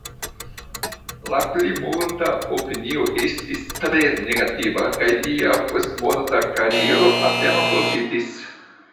La plimulta opinio estis tre negativa, kaj lia postmorta kariero apenaŭ profitis.